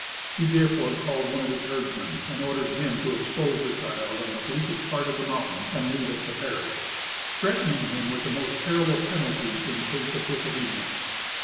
He therefore called one of his herdsmen, and ordered him to expose the child on the bleakest part of the mountain and leave it to perish, threatening him with the most terrible penalties in case of disobedience.